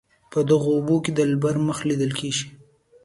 په دغو اوبو کې د دلبر مخ لیدل کیږي.